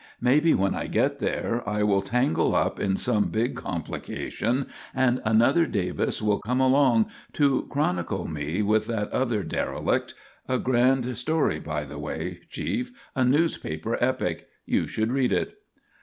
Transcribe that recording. Maybe when I get there I will tangle up in some big complication and another Davis will come along to chronicle me with that other Derelict; a grand story, by the way, chief a newspaper epic. You should read it."